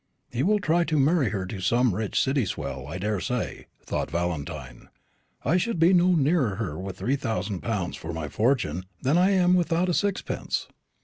"He will try to marry her to some rich City swell, I dare say," thought Valentine. "I should be no nearer her with three thousand pounds for my fortune than I am without a sixpence.